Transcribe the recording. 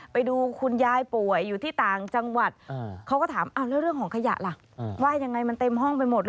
ไปดูคุณยายป่วยอยู่ที่ต่างจังหวัด